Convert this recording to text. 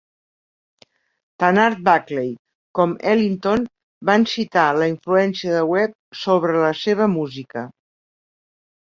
Tant Art Blakey com Ellington van citar la influència de Webb sobre la seva música.